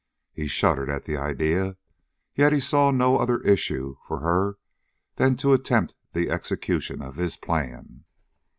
He shuddered at the idea, yet he saw no other issue for her than to attempt the execution of his plan.